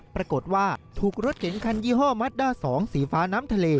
ปรากฏว่าถูกรถเก๋งคันยี่ห้อมัดด้า๒สีฟ้าน้ำทะเล